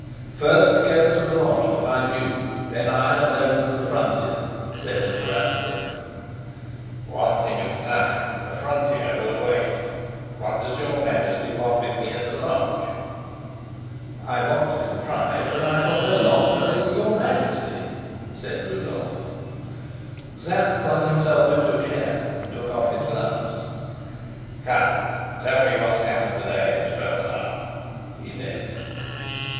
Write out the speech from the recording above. "First together to the lodge, to find you, then I alone to the frontier," said Mr. Rassendyll. "One thing at a time. The frontier will wait. What does your Majesty want with me at the lodge?" "I want so to contrive that I shall be no longer your Majesty," said Rudolf. Sapt flung himself into a chair and took off his gloves. "Come, tell me what has happened to day in Strelsau," he said.